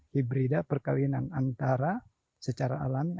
hibrida perkawinan antara secara alami